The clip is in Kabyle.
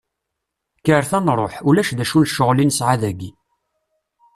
Kkret ad nruḥ, ulac d acu n ccɣel i nesɛa dagi.